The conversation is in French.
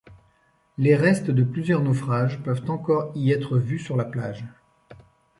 Les restes de plusieurs naufrages peuvent encore y être vus sur la plage.